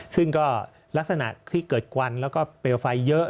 ซึ่งก็ลักษณะที่เกิดควันแล้วก็เปลวไฟเยอะ